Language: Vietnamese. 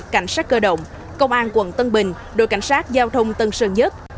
cảnh sát cơ động công an quận tân bình đội cảnh sát giao thông tân sơn nhất